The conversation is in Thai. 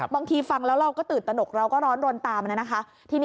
บางทีฟังแล้วเราก็ตื่นตนกเราก็ร้อนรนตามนะคะ